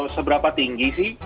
seberapa tinggi sih